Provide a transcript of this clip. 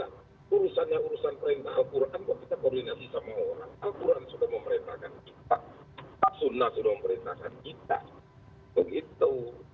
as sunnah sudah memerintahkan kita